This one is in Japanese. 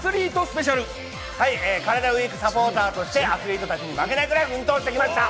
ＷＥＥＫサポーターとして、アスリートたちに負けないくらい奮闘してきました。